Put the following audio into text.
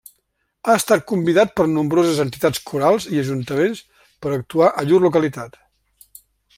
Ha estat convidat per nombroses entitats corals i Ajuntaments per a actuar a llur localitat.